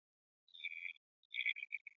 为王得禄剿平海贼时所建。